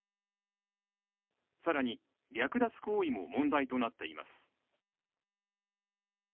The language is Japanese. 更に、略奪行為も問題となっています。